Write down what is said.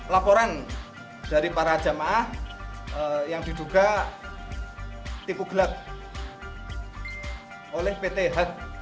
laporan dari para jamaah yang diduga tipu gelap oleh pt h